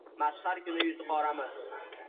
Maxshar kuni yuzi qoramiz